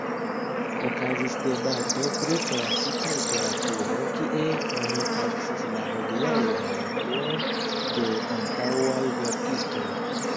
Okazis debato pri klasika literaturo, kie oni taksis la hodiaŭan influon de antaŭaj verkistoj.